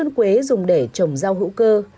rắn dân quế dùng để trồng rau hữu cơ